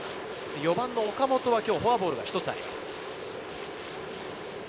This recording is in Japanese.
４番・岡本は今日フォアボールが１つあります。